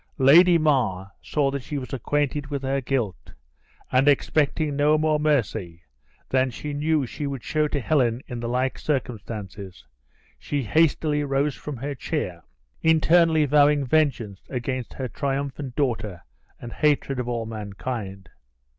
Lady Mar saw that she was acquainted with her guilt, and expecting no more mercy than she knew she would show to Helen in the like circumstances, she hastily rose from her chair, internally vowing vengeance against her triumphant daughter and hatred of all mankind.